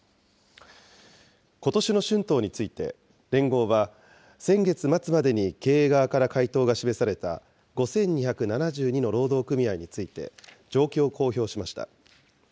ことしの春闘について、連合は先月末までに経営側から回答が示された５２７２の労働組合について、状況を公表しました。